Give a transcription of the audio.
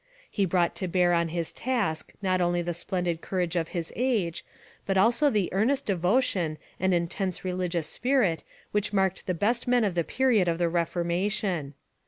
He brought to bear on his task not only the splendid courage of his age, but also the earnest devotion and intense religious spirit which marked the best men of the period of the Reformation.